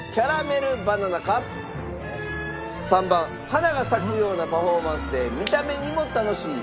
花が咲くようなパフォーマンスで見た目にも楽しい。